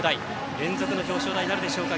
連続の表彰台になるでしょうか。